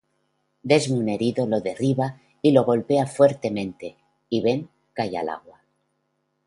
Desmond herido lo derriba y lo golpea fuertemente y Ben cae al agua.